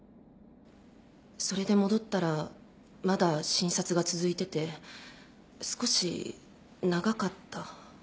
それで戻ったらまだ診察が続いてて少し長かった。